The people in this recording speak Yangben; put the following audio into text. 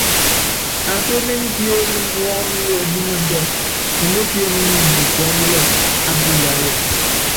Akí éményi piéné muɔ́nɔ́wɛnúmɛndú, emépíéne muundɔ ukɔɔ́nílɔpɔ ápiyáya.